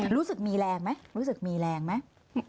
รู้สึกมีแรงไหม